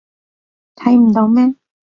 睇唔到咩？